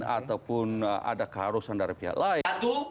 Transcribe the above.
ataupun ada keharusan dari pihak lain